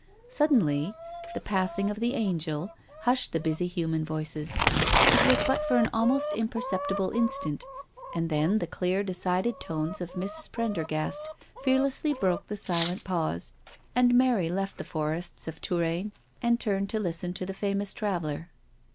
Suddenly the " passing of the angel *' hushed the busy human voices. It was but for an almost imperceptible instant, and then the clear, decided tones of Mrs. Prendergast fearlessly broke the silent pause, and Mary left the forests of Touraine and turned to listen to the famous traveller.